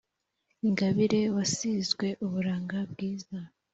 Ingabire wasizwe uburanga bwiza